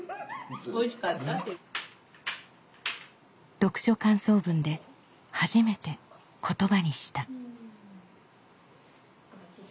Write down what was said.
読書感想文で初めて言葉にした。